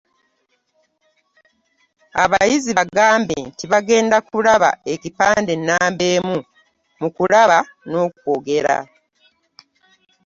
Abayizi bagambe nti bagenda kulaba ekipande namba emu mu kulaba n’okwogera.